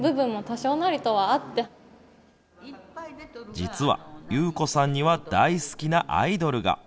実はゆうこさんには大好きなアイドルが。